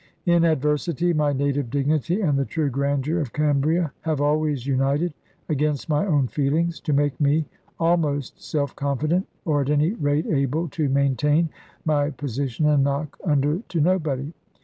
In adversity, my native dignity and the true grandeur of Cambria have always united, against my own feelings, to make me almost self confident, or at any rate able to maintain my position, and knock under to nobody.